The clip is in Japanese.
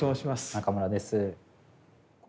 中村です。